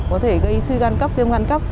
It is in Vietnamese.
có thể gây suy gan cấp tiêm gan cấp